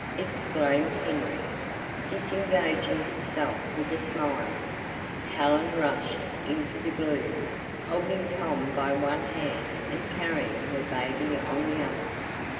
exclaimed Henry, disengaging himself with a smile. Helen rushed into the gloom, holding Tom by one hand and carrying her baby on the other.